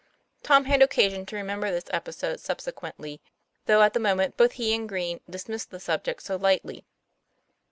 Tom had occasion to remember this episode sub sequently, though at the moment both he and Green dismissed the subject so lightly.